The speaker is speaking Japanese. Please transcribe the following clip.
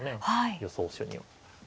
予想手には。